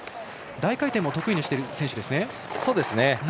大回転も得意にしている選手です。